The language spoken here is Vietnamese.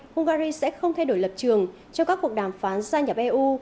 hungary sẽ không thay đổi lập trường cho các cuộc đàm phán gia nhập eu